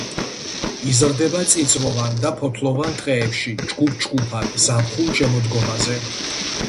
იზრდება წიწვოვან და ფოთლოვან ტყეში ჯგუფ-ჯგუფად ზაფხულ-შემოდგომაზე.